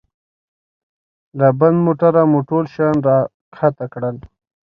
له بند موټره مو ټول شیان را کښته کړل.